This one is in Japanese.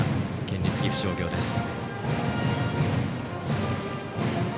県立岐阜商業です。